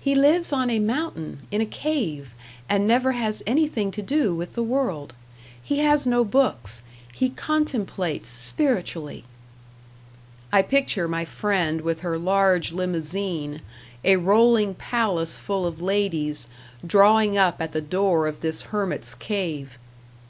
He lives on a mountain, in a cave, and never has anything to do with the world. He has no books; he contemplates spiritually." I picture my friend with her large limousine, a rolling palace full of ladies, drawing up at the door of this hermit's cave.